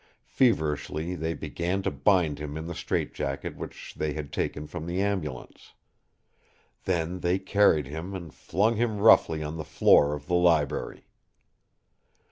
Feverishly they began to bind him in the strait jacket which they had taken from the ambulance. Then they carried him and flung him roughly on the floor of the library.